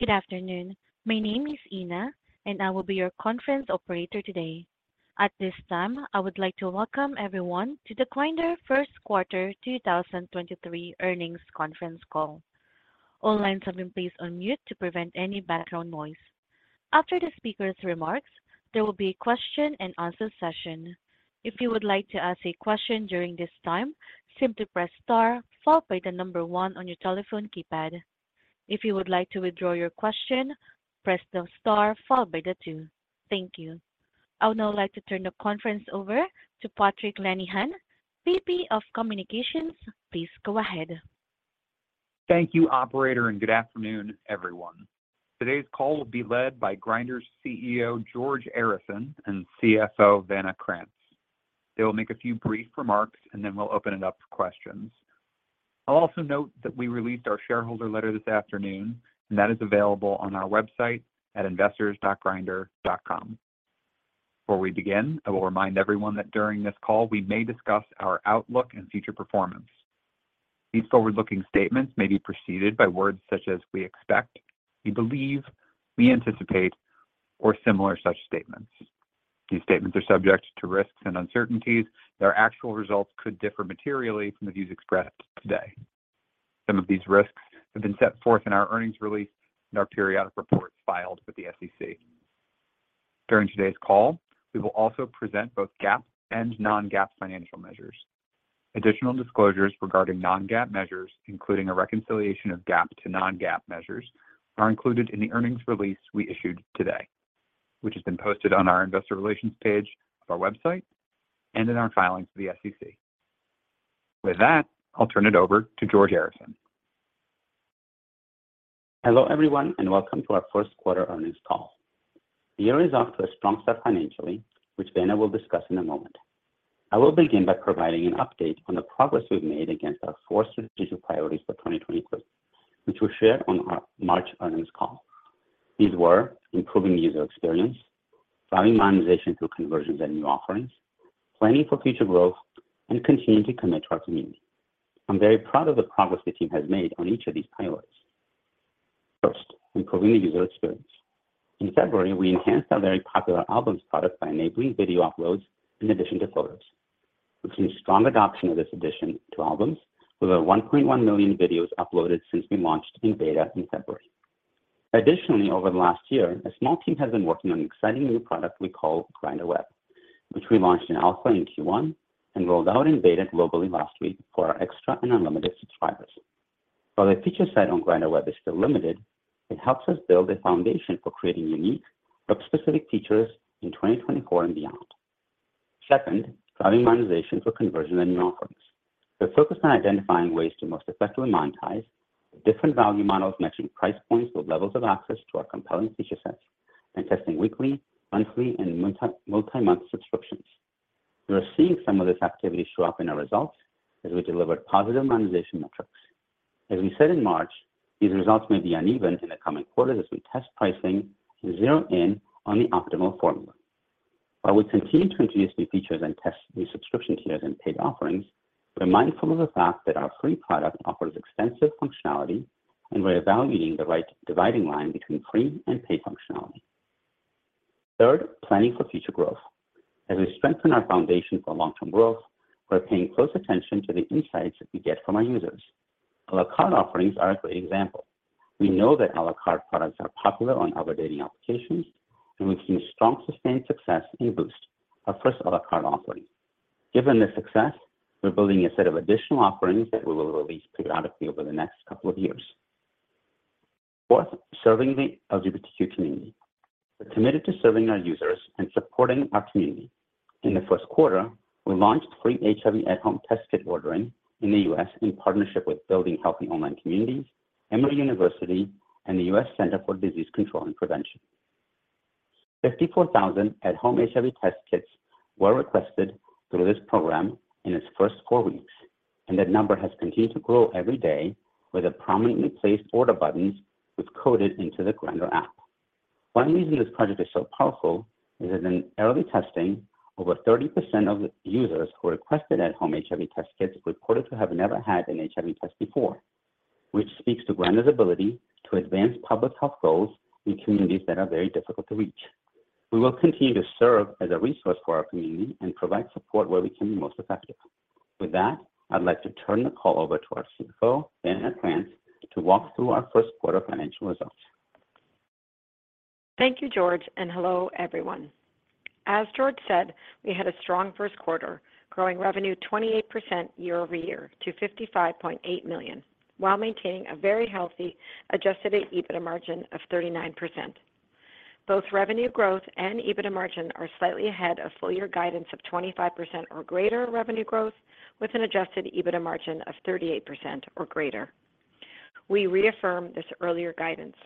Good afternoon. My name is Ina, and I will be your conference operator today. At this time, I would like to welcome everyone to the Grindr first quarter 2023 earnings conference call. All lines have been placed on mute to prevent any background noise. After the speaker's remarks, there will be a question and answer session. If you would like to ask a question during this time, simply press star followed by the one on your telephone keypad. If you would like to withdraw your question, press the star followed by the two. Thank you. I would now like to turn the conference over to Patrick Lenihan, VP of Communications. Please go ahead. Thank you, operator. Good afternoon, everyone. Today's call will be led by Grindr's CEO, George Arison, and CFO, Vanna Krantz. They will make a few brief remarks. We'll open it up to questions. I'll also note that we released our shareholder letter this afternoon. That is available on our website at investors.grindr.com. Before we begin, I will remind everyone that during this call, we may discuss our outlook and future performance. These forward-looking statements may be preceded by words such as "we expect," "we believe," "we anticipate," or similar such statements. These statements are subject to risks and uncertainties. Their actual results could differ materially from the views expressed today. Some of these risks have been set forth in our earnings release and our periodic reports filed with the SEC. During today's call, we will also present both GAAP and non-GAAP financial measures. Additional disclosures regarding non-GAAP measures, including a reconciliation of GAAP to non-GAAP measures, are included in the earnings release we issued today, which has been posted on our investor relations page of our website and in our filings with the SEC. With that, I'll turn it over to George Arison. Hello, everyone, and welcome to our first quarter earnings call. The year is off to a strong start financially, which Vanna will discuss in a moment. I will begin by providing an update on the progress we've made against our four strategic priorities for 2023, which we shared on our March earnings call. These were improving user experience, driving monetization through conversions and new offerings, planning for future growth, and continuing to commit to our community. I'm very proud of the progress the team has made on each of these priorities. First, improving the user experience. In February, we enhanced our very popular Albums by enabling video uploads in addition to photos. We've seen strong adoption of this addition to Albums, with over 1.1 million videos uploaded since we launched in beta in February. Over the last year, a small team has been working on an exciting new product we call Grindr Web, which we launched in alpha in Q1 and rolled out in beta globally last week for our XTRA and Unlimited subscribers. While the feature set on Grindr Web is still limited, it helps us build a foundation for creating unique, web-specific features in 2024 and beyond. Second, driving monetization through conversion and new offerings. We're focused on identifying ways to most effectively monetize the different value models matching price points with levels of access to our compelling feature sets and testing weekly, monthly, and multi-month subscriptions. We are seeing some of this activity show up in our results as we delivered positive monetization metrics. As we said in March, these results may be uneven in the coming quarters as we test pricing and zero in on the optimal formula. While we continue to introduce new features and test new subscription tiers and paid offerings, we're mindful of the fact that our free product offers extensive functionality, and we're evaluating the right dividing line between free and paid functionality. Third, planning for future growth. As we strengthen our foundation for long-term growth, we're paying close attention to the insights that we get from our users. à la carte offerings are a great example. We know that à la carte products are popular on other dating applications, and we've seen strong, sustained success in Boost, our first à la carte offering. Given this success, we're building a set of additional offerings that we will release periodically over the next couple of years. Fourth, serving the LGBTQ community. We're committed to serving our users and supporting our community. In the first quarter, we launched free HIV at-home test kit ordering in the U.S. in partnership with Building Healthy Online Communities, Emory University, and the U.S. Centers for Disease Control and Prevention. 54,000 at-home HIV test kits were requested through this program in its first four weeks, that number has continued to grow every day with the prominently placed order buttons we've coded into the Grindr app. One reason this project is so powerful is that in early testing, over 30% of users who requested at-home HIV test kits reported to have never had an HIV test before, which speaks to Grindr's ability to advance public health goals in communities that are very difficult to reach. We will continue to serve as a resource for our community and provide support where we can be most effective. With that, I'd like to turn the call over to our CFO, Vanna Krantz, to walk through our first quarter financial results. Thank you, George. Hello, everyone. As George said, we had a strong first quarter, growing revenue 28% year-over-year to $55.8 million, while maintaining a very healthy Adjusted EBITDA margin of 39%. Both revenue growth and Adjusted EBITDA margin are slightly ahead of full year guidance of 25% or greater revenue growth with an Adjusted EBITDA margin of 38% or greater. We reaffirm this earlier guidance.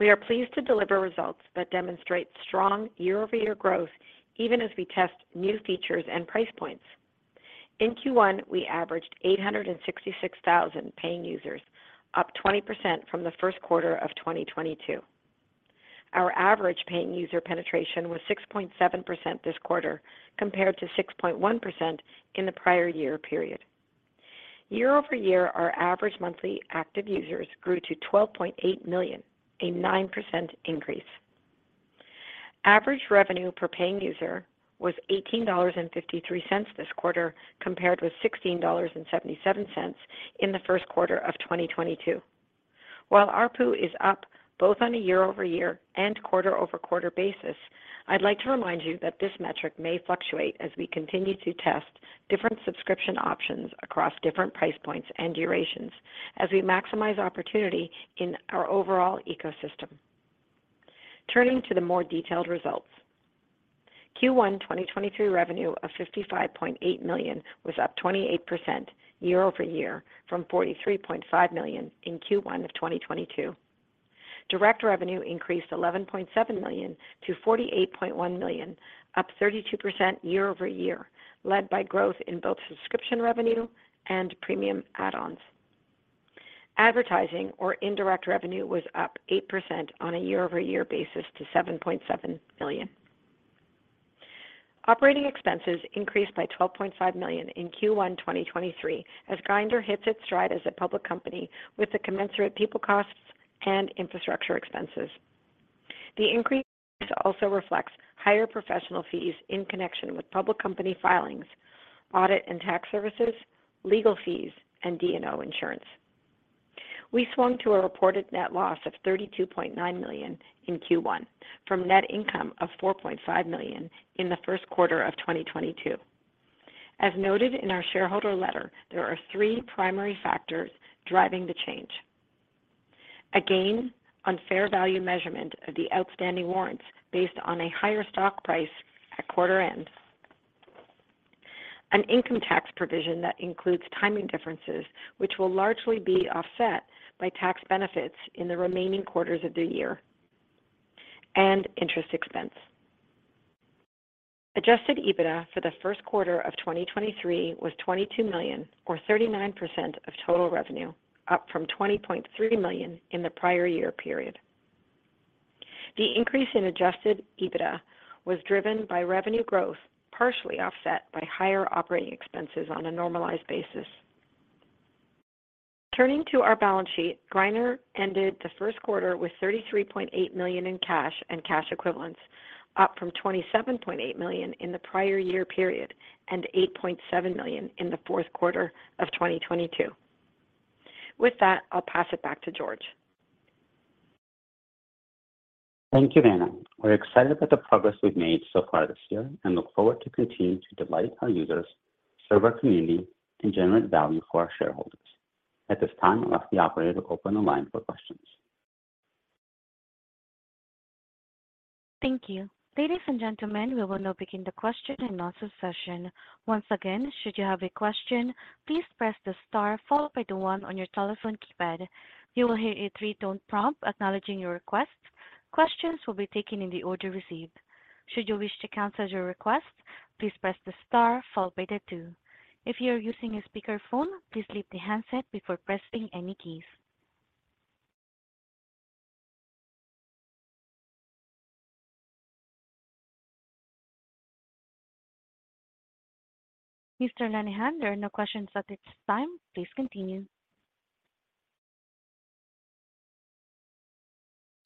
We are pleased to deliver results that demonstrate strong year-over-year growth even as we test new features and price points. In Q1, we averaged 866,000 paying users, up 20% from the first quarter of 2022. Our average paying user penetration was 6.7% this quarter, compared to 6.1% in the prior year period. Year-over-year, our average monthly active users grew to 12.8 million, a 9% increase. Average revenue per paying user was $18.53 this quarter, compared with $16.77 in the first quarter of 2022. While ARPU is up both on a year-over-year and quarter-over-quarter basis, I'd like to remind you that this metric may fluctuate as we continue to test different subscription options across different price points and durations as we maximize opportunity in our overall ecosystem. Turning to the more detailed results. Q1 2023 revenue of $55.8 million was up 28% year-over-year from $43.5 million in Q1 of 2022. Direct revenue increased $11.7 million to $48.1 million, up 32% year-over-year, led by growth in both subscription revenue and premium add-ons. Advertising or indirect revenue was up 8% on a year-over-year basis to $7.7 million. Operating expenses increased by $12.5 million in Q1 2023 as Grindr hits its stride as a public company with the commensurate people costs and infrastructure expenses. The increase also reflects higher professional fees in connection with public company filings, audit and tax services, legal fees, and D&O insurance. We swung to a reported net loss of $32.9 million in Q1 from net income of $4.5 million in the first quarter of 2022. As noted in our shareholder letter, there are three primary factors driving the change. A gain on fair value measurement of the outstanding warrants based on a higher stock price at quarter end, an income tax provision that includes timing differences, which will largely be offset by tax benefits in the remaining quarters of the year, and interest expense. Adjusted EBITDA for the first quarter of 2023 was $22 million or 39% of total revenue, up from $20.3 million in the prior year period. The increase in Adjusted EBITDA was driven by revenue growth, partially offset by higher operating expenses on a normalized basis. Turning to our balance sheet, Grindr ended the first quarter with $33.8 million in cash and cash equivalents, up from $27.8 million in the prior year period and $8.7 million in the fourth quarter of 2022. With that, I'll pass it back to George. Thank you, Vanna. We're excited about the progress we've made so far this year and look forward to continuing to delight our users, serve our community, and generate value for our shareholders. At this time, I'll ask the operator to open the line for questions. Thank you. Ladies and gentlemen, we will now begin the question and answer session. Once again, should you have a question, please press the star followed by the one on your telephone keypad. You will hear a three-tone prompt acknowledging your request. Questions will be taken in the order received. Should you wish to cancel your request, please press the star followed by the two. If you are using a speakerphone, please leave the handset before pressing any keys. Mr. Lenihan, there are no questions at this time. Please continue.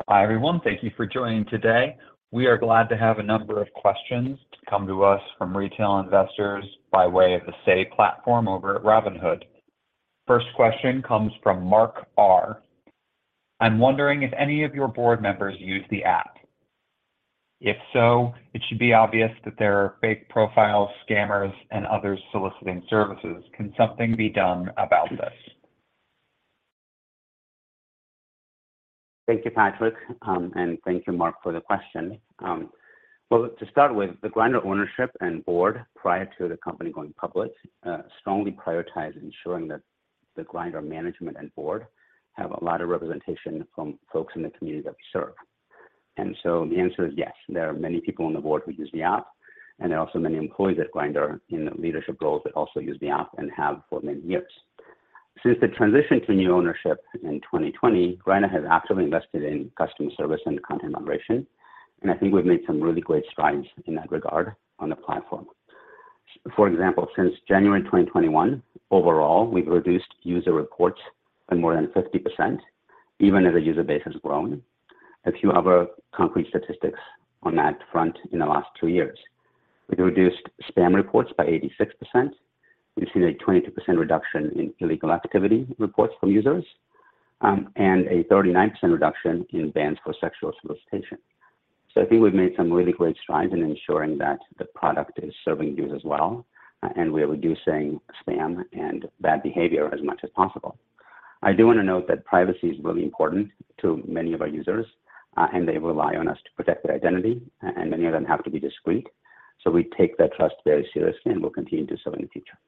Hi, everyone. Thank you for joining today. We are glad to have a number of questions to come to us from retail investors by way of the SAY platform over at Robinhood. First question comes from Mark R. I'm wondering if any of your board members use the app. If so, it should be obvious that there are fake profiles, scammers, and others soliciting services. Can something be done about this? Thank you, Patrick. Thank you Mark for the question. Well, to start with, the Grindr ownership and board prior to the company going public, strongly prioritized ensuring that the Grindr management and board have a lot of representation from folks in the community that we serve. The answer is yes, there are many people on the board who use the app, and there are also many employees at Grindr in leadership roles that also use the app and have for many years. Since the transition to new ownership in 2020, Grindr has actively invested in customer service and content moderation, and I think we've made some really great strides in that regard on the platform. For example, since January 2021, overall, we've reduced user reports by more than 50%, even as the user base has grown. A few other concrete statistics on that front in the last two years. We've reduced spam reports by 86%. We've seen a 22% reduction in illegal activity reports from users, and a 39% reduction in bans for sexual solicitation. I think we've made some really great strides in ensuring that the product is serving users well and we're reducing spam and bad behavior as much as possible. I do want to note that privacy is really important to many of our users, and they rely on us to protect their identity, and many of them have to be discreet. We take that trust very seriously and will continue to so in the future.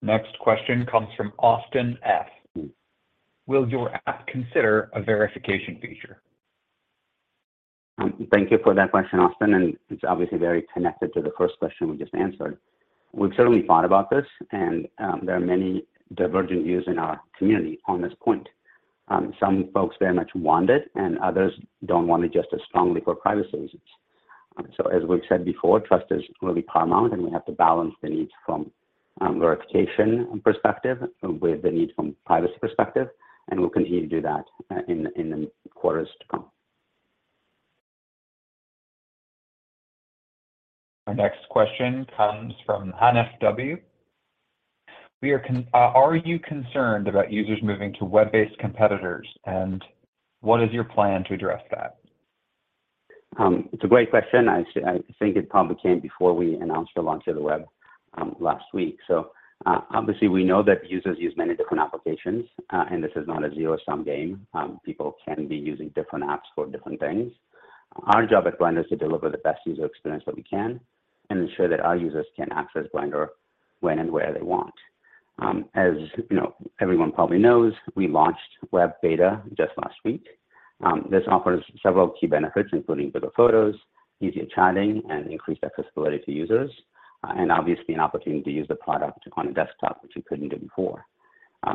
Next question comes from Austin F. Will your app consider a verification feature? Thank you for that question, Austin, and it's obviously very connected to the first question we just answered. We've certainly thought about this, and there are many divergent views in our community on this point. Some folks very much want it, and others don't want it just as strongly for privacy reasons. As we've said before, trust is really paramount, and we have to balance the needs from verification perspective with the need from privacy perspective, and we'll continue to do that in the quarters to come. Our next question comes from Hanna. Are you concerned about users moving to web-based competitors, and what is your plan to address that? It's a great question. I think it probably came before we announced the launch of the web last week. Obviously, we know that users use many different applications, this is not a zero-sum game. People can be using different apps for different things. Our job at Grindr is to deliver the best user experience that we can and ensure that our users can access Grindr when and where they want. As you know, everyone probably knows, we launched web beta just last week. This offers several key benefits, including bigger photos, easier chatting, and increased accessibility to users, obviously an opportunity to use the product on a desktop, which you couldn't do before.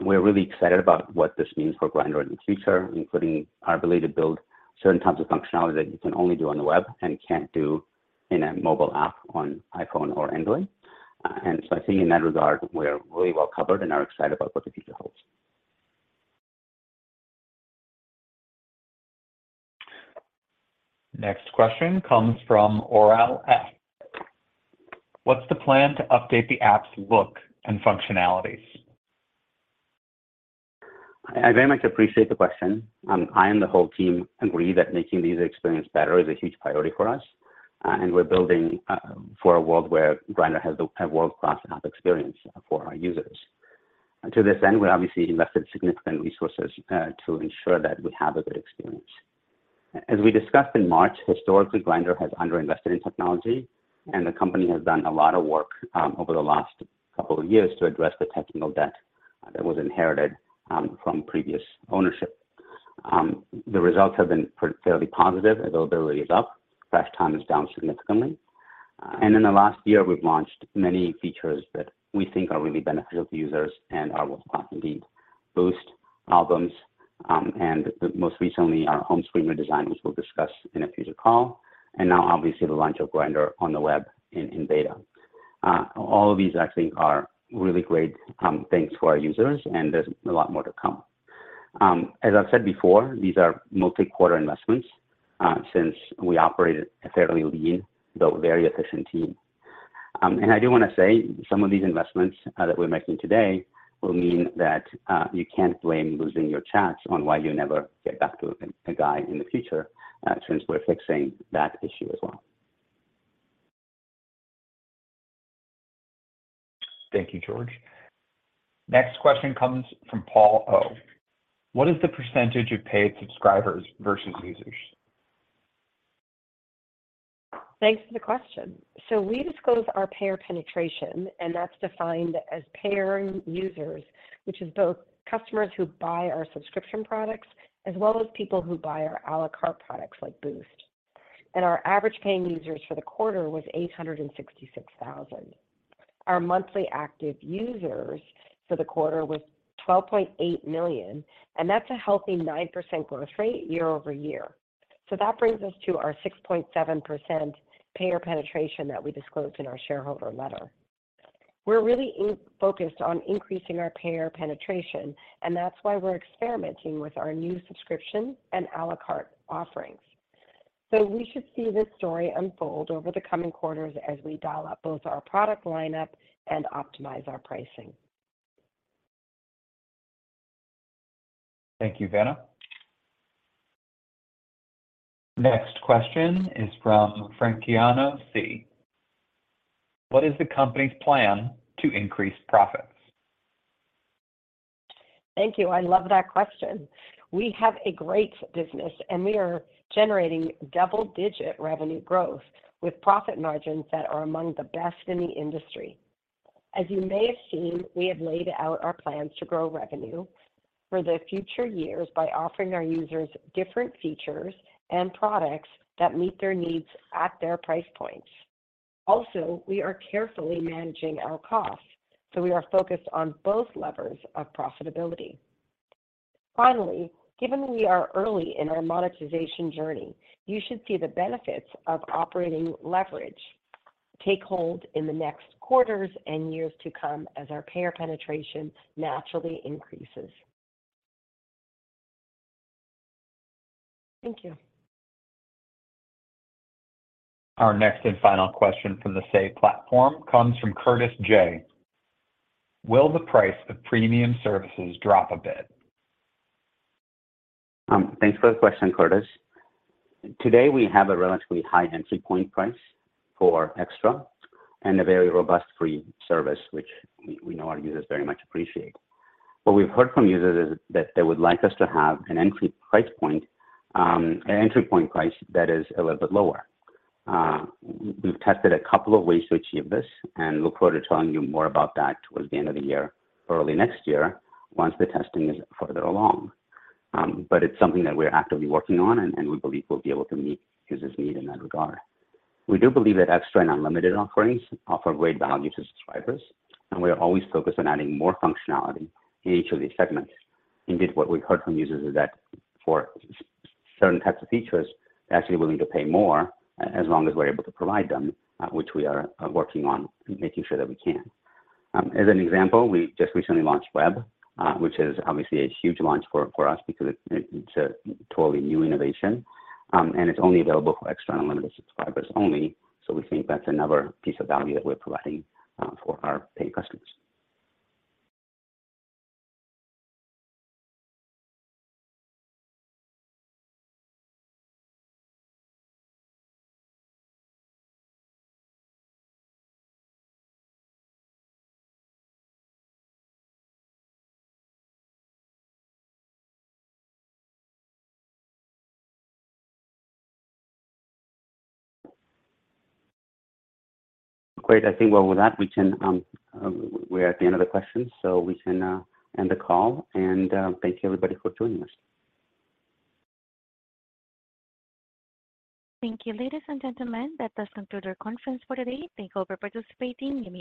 We're really excited about what this means for Grindr in the future, including our ability to build certain types of functionality that you can only do on the web and can't do in a mobile app on iPhone or Android. I think in that regard, we're really well covered and are excited about what the future holds. Next question comes from Oral F: What's the plan to update the app's look and functionalities? I very much appreciate the question. I and the whole team agree that making the user experience better is a huge priority for us, and we're building for a world where Grindr has a world-class app experience for our users. To this end, we obviously invested significant resources to ensure that we have a good experience. As we discussed in March, historically, Grindr has underinvested in technology, and the company has done a lot of work over the last couple of years to address the technical debt that was inherited from previous ownership. The results have been fairly positive. Availability is up. Crash time is down significantly. In the last year, we've launched many features that we think are really beneficial to users and are world-class indeed. Boost, Albums, and the most recently our home screen redesign, which we'll discuss in a future call, and now obviously the launch of Grindr on the web in beta. All of these actually are really great things for our users. There's a lot more to come. As I've said before, these are multi-quarter investments, since we operate a fairly lean, though very efficient team. I do wanna say some of these investments that we're making today will mean that you can't blame losing your chats on why you never get back to a guy in the future, since we're fixing that issue as well. Thank you, George. Next question comes from Paul O: What is the percentage of paid subscribers versus users? Thanks for the question. We disclose our payer penetration, and that's defined as payer users, which is both customers who buy our subscription products as well as people who buy our à la carte products like Boost. Our average paying users for the quarter was 866,000. Our monthly active users for the quarter was 12.8 million, and that's a healthy 9% growth rate year-over-year. That brings us to our 6.7% payer penetration that we disclosed in our shareholder letter. We're really focused on increasing our payer penetration, and that's why we're experimenting with our new subscription and à la carte offerings. We should see this story unfold over the coming quarters as we dial up both our product lineup and optimize our pricing. Thank you, Vanna. Next question is from Frankiano C: What is the company's plan to increase profits? Thank you. I love that question. We have a great business. We are generating double-digit revenue growth with profit margins that are among the best in the industry. As you may have seen, we have laid out our plans to grow revenue for the future years by offering our users different features and products that meet their needs at their price points. We are carefully managing our costs. We are focused on both levers of profitability. Given we are early in our monetization journey, you should see the benefits of operating leverage take hold in the next quarters and years to come as our payer penetration naturally increases. Thank you. Our next and final question from the Say platform comes from Curtis J: Will the price of premium services drop a bit? Thanks for the question, Curtis. Today, we have a relatively high entry point price for XTRA and a very robust free service, which we know our users very much appreciate. What we've heard from users is that they would like us to have an entry price point, an entry point price that is a little bit lower. We've tested a couple of ways to achieve this and look forward to telling you more about that towards the end of the year or early next year once the testing is further along. It's something that we're actively working on and we believe we'll be able to meet users' need in that regard. We do believe that XTRA and Unlimited offerings offer great value to subscribers, and we are always focused on adding more functionality in each of these segments. Indeed, what we've heard from users is that for certain types of features, they're actually willing to pay more as long as we're able to provide them, which we are working on making sure that we can. As an example, we just recently launched Web, which is obviously a huge launch for us because it's a totally new innovation, and it's only available for XTRA and Unlimited subscribers only, so we think that's another piece of value that we're providing for our paid customers. Great. I think well with that we can, we're at the end of the questions, so we can end the call. Thank you everybody for joining us. Thank you, ladies and gentlemen. That does conclude our conference for today. Thank you for participating.